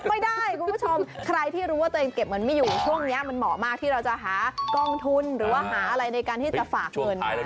ไม่ได้คุณผู้ชมใครที่รู้ว่าตัวเองเก็บเงินไม่อยู่ช่วงนี้มันเหมาะมากที่เราจะหากองทุนหรือว่าหาอะไรในการที่จะฝากเงิน